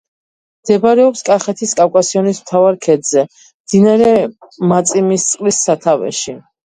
მდებარეობს კახეთის კავკასიონის მთავარ ქედზე, მდინარე მაწიმისწყლის სათავეში.